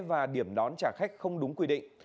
và điểm đón trả khách không đúng quy định